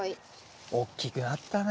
大きくなったね。